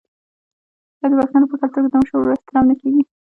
آیا د پښتنو په کلتور کې د مشر ورور احترام نه کیږي؟